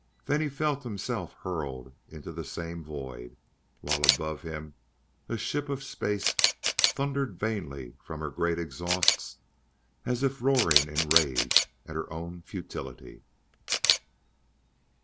Then he felt himself hurled into the same void, while above him a ship of space thundered vainly from her great exhausts as if roaring in rage at her own futility.